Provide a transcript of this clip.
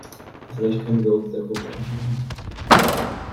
Vielleicht können wir uns der Gruppe anschließen.